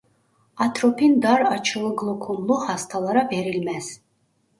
Atropin dar açılı glokomlu hastalara verilmez.